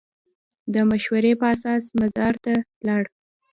د مشورې په اساس مزار ته ولاړ.